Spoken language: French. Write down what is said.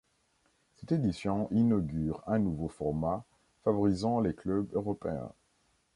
Cette édition inaugure un nouveau format favorisant les clubs européens.